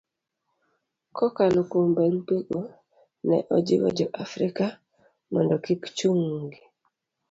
Kokalo kuom barupego, ne ojiwo Jo-Afrika mondo kik chunygi